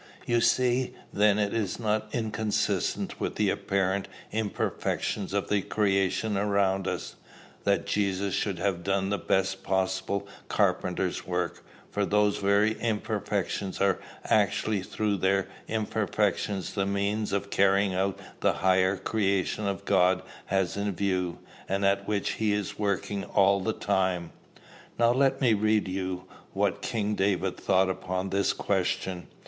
"You see, then, it is not inconsistent with the apparent imperfections of the creation around us, that Jesus should have done the best possible carpenter's work; for those very imperfections are actually through their imperfection the means of carrying out the higher creation God has in view, and at which he is working all the time. "Now let me read you what King David thought upon this question."